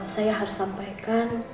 saya harus sampaikan